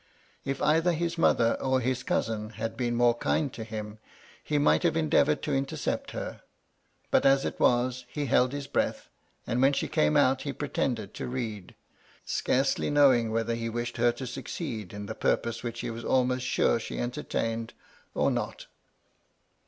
If either his mother or his cousin had been more kind to him, he might have endeavoured to intercept her ; but as it was, he held his breath, and when she came out he pretended to read, scarcely VOL. I. I 170 MY LADY LUDLOW. knowing whether he I'wished her to sacceed in the purpose which he was ahnost sure she entertained, or not.